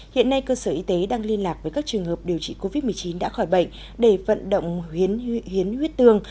hiện nay cơ sở y tế đang liên lạc với các trường hợp điều trị covid một mươi chín đã khỏi bệnh để vận động huyến huyết tương